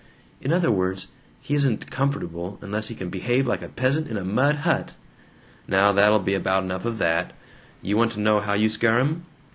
"In other words, he isn't comfortable unless he can behave like a peasant in a mud hut!" "Now that'll be about enough of that! You want to know how you scare him?